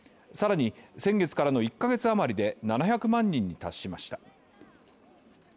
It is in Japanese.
更に先月からの１カ月あまりで７００万人に達しました。